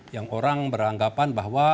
yang orang beranggapan bahwa